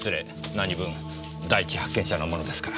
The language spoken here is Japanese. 何分第一発見者なものですから。